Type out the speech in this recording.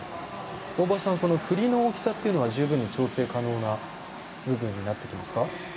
大場さん振りの大きさっていうのは十分に修正可能な部分になってきますか？